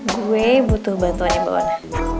gue butuh bantuannya bawana